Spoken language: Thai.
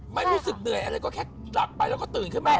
ไม่รู้สึกเหนื่อยอะไรก็แค่หลับไปแล้วก็ตื่นขึ้นมา